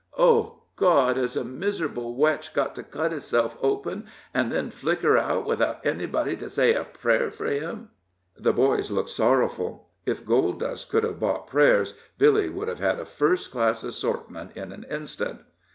"Oh, God, hez a miserable wretch got to cut hisself open, and then flicker out, without anybody to say a prayer for him?" The boys looked sorrowful if gold dust could have bought prayers, Billy would have had a first class assortment in an instant.